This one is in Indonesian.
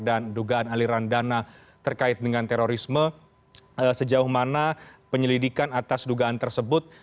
assalamualaikum warahmatullahi wabarakatuh